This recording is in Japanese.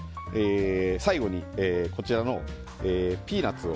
最後にこちらのピーナツを。